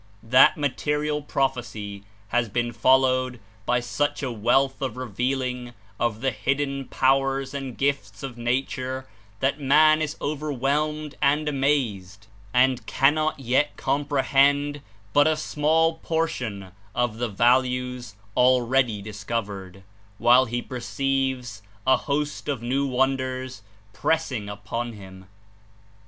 That material prophecy has been followed by such a wealth of revealing of the hidden powers and gifts of nature that man Is overwhelmed and amazed, and 60 cannot yet comprehend but a small portion of the values already discovered, while he perceives a host of new wonders pressing upon him.